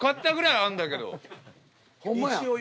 ホンマや。